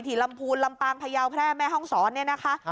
ลำพูนลำปางพยาวแพร่แม่ห้องศรเนี่ยนะคะ